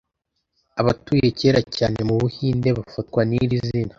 Abatuye kera cyane mubuhinde bafatwa niri zina